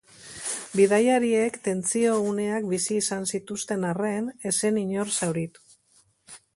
Bidaiariek tentsio uneak bizi izan zituzten arren, ez zen inor zauritu.